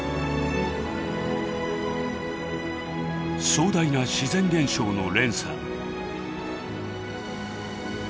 壮大な自然現象の連鎖。